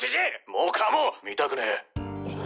もう顔も見たくねえ！